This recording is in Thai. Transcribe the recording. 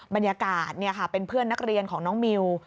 บรรยากาศเป็นเพื่อนนักเรียนของน้องมิว